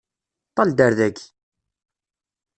Ṭṭal-d ar daki!